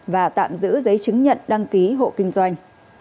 và tạm giữ giấy chứng nhận đăng ký hộ kinh doanh